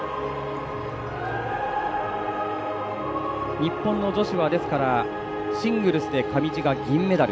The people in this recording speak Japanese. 日本の女子はシングルスで上地が銀メダル。